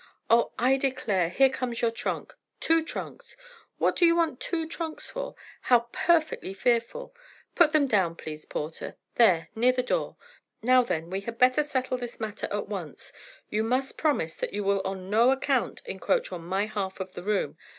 Oh, I declare, here comes your trunk—two trunks. What do you want two trunks for? How perfectly fearful! Put them down, please, porter—there, near the door. Now then, we had better settle this matter at once. You must promise that you will on no account encroach on my half of the room.